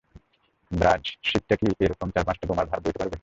ব্র্যায, শিপটা কি এরকম চার-পাঁচটা বোমার ভার বইতে পারবে?